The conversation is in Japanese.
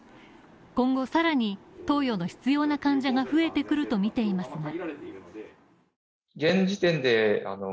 今後さらに、投与の必要な患者が増えてくると見ています